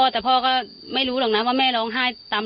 ที่มีข่าวเรื่องน้องหายตัว